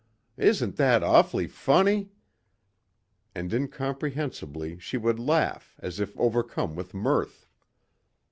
Isn't that awfully funny!" And incomprehensibly, she would laugh as if overcome with mirth.